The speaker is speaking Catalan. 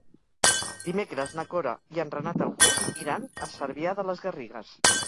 Dimecres na Cora i en Renat August iran a Cervià de les Garrigues.